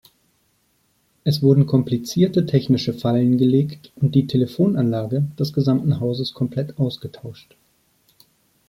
Es wurden komplizierte technische Fallen gelegt und die Telefonanlage des gesamten Hauses komplett ausgetauscht.